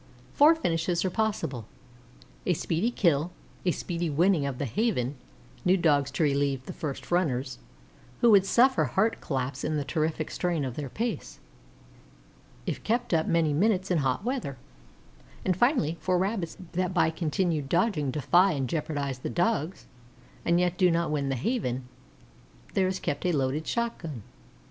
Four finishes are possible: a speedy kill; a speedy winning of the Haven; new Dogs to relieve the first runners, who would suffer heart collapse in the terrific strain of their pace, if kept up many minutes in hot weather; and finally, for Rabbits that by continued dodging defy and jeopardize the Dogs, and yet do not win the Haven, there is kept a loaded shotgun.